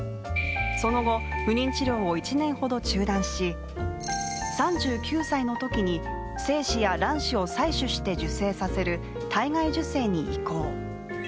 その後、不妊治療を１年ほど中断し３９歳のときに精子や卵子を採取して受精させる体外受精に移行。